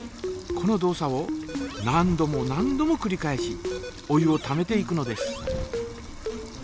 この動作を何度も何度もくり返しお湯をためていくのです。